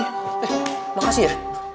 eh makasih ya